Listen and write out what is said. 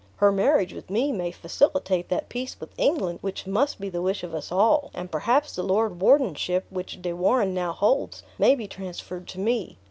Her marriage with me may facilitate that peace with England which must be the wish of us all; and perhaps the lord wardenship which De Warenne now holds may be transferred to me.